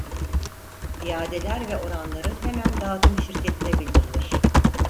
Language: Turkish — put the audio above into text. İadeler ve oranları hemen dağıtım şirketine bildirilir.